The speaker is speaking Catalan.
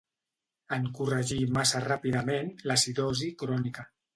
En corregir massa ràpidament l'acidosi crònica.